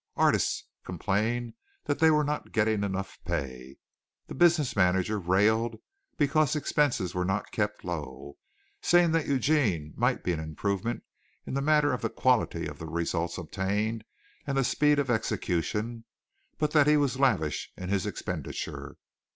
Artists complained that they were not getting enough pay, the business manager railed because expenses were not kept low, saying that Eugene might be an improvement in the matter of the quality of the results obtained and the speed of execution, but that he was lavish in his expenditure.